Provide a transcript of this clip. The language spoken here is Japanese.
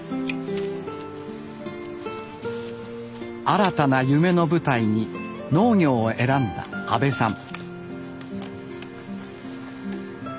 新たな夢の舞台に農業を選んだ阿部さん。